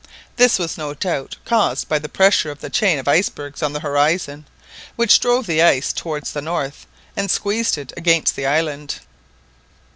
This was no doubt caused by the pressure of the chain of icebergs on the horizon, which drove the ice towards the north, and squeezed it against the island.